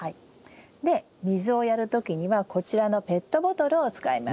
で水をやる時にはこちらのペットボトルを使います。